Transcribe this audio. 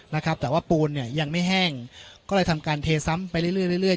นะครับแต่ว่าปูนเนี่ยยังไม่แห้งก็เลยทำการเทซ้ำไปเรื่อยเรื่อย